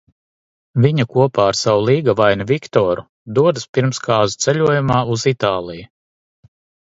Viņa kopā ar savu līgavaini Viktoru dodas pirmskāzu ceļojumā uz Itāliju.